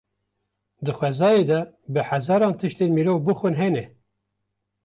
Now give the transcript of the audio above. Di xwezayê de bi hezaran tiştên mirov bixwin hene.